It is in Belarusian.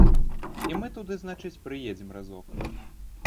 І мы туды, значыць, прыедзем разок.